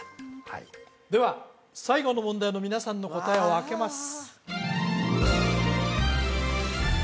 はいでは最後の問題の皆さんの答えをあけます